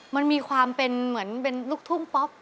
มันมีความเป็นเหมือนเป็นลูกทุ่งป๊อป